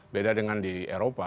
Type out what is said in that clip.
beda dengan di eropa